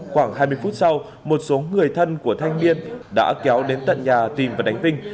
khoảng hai mươi phút sau một số người thân của thanh niên đã kéo đến tận nhà tìm và đánh vinh